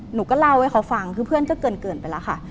หนูก็เล่าให้เขาฟังคือเพื่อนก็เกินไปแล้วค่ะ